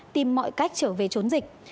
tìm mọi cách trở về chốn dịch